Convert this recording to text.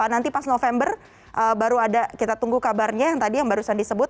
nanti pas november baru ada kita tunggu kabarnya yang tadi yang barusan disebut